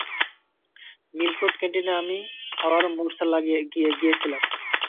Milford ক্যান্টিনে আমি আবারো মূর্ছা গিয়েছিলাম।